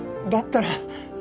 だったら。